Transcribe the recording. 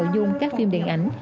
dùng các phim điện ảnh